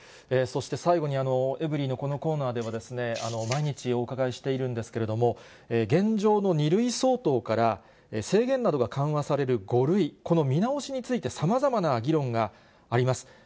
そして最後に、エブリィのこのコーナーでは、毎日お伺いしているんですけれども、現状の２類相当から、制限などが緩和される５類、この見直しについてさまざまな議論があります。